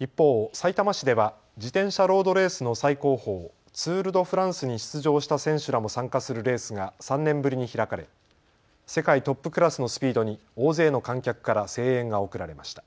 一方、さいたま市では自転車ロードレースの最高峰、ツール・ド・フランスに出場した選手らも参加するレースが３年ぶりに開かれ世界トップクラスのスピードに大勢の観客から声援が送られました。